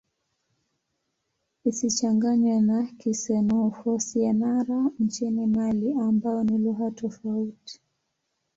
Isichanganywe na Kisenoufo-Syenara nchini Mali ambayo ni lugha tofauti.